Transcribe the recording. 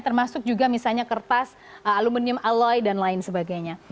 termasuk juga misalnya kertas aluminium aloy dan lain sebagainya